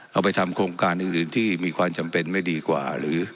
เอาไปทำโครงการอื่นที่มีความจำเป็นไม่ดีกว่าหรือ